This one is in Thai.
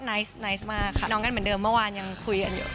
น้องกันเหมือนเดิมเมื่อวานยังคุยกันอยู่